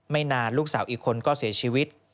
นานลูกสาวอีกคนก็เสียชีวิต